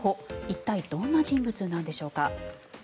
一体どんな人物なんでしょうか。